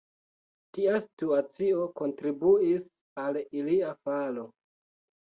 Tia situacio kontribuis al ilia falo.